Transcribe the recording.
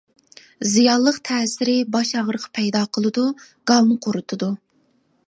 زىيانلىق تەسىرى باش ئاغرىقى پەيدا قىلىدۇ، گالنى قۇرىتىدۇ.